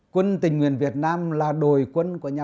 quân tỉnh nguyện việt nam là đồi quân của việt nam